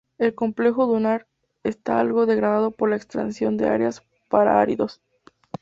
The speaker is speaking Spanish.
El complejo dunar está algo degradado por la extracción de arena para áridos.